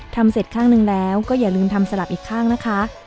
ทำเสร็จข้างหนึ่งแล้วก็อย่าลืมทำสลับอีกข้างนะคะ